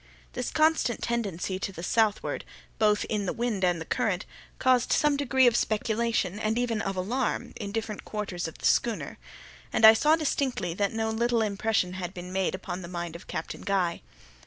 This constant tendency to the southward, both in the wind and current, caused some degree of speculation, and even of alarm, in different quarters of the schooner, and I saw distinctly that no little impression had been made upon the mind of Captain Guy.